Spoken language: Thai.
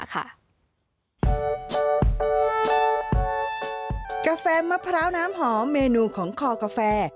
กาแฟมะพร้าวน้ำหอมเมนูของคอกาแฟ